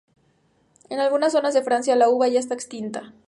En algunas zonas de Francia, la uva ya está extinta.